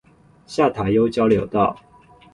下塔悠交流道